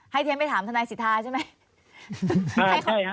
ให้เท้นไปถามธนายศิษฐาใช่มั้ย